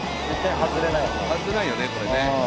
はずれないよねこれね。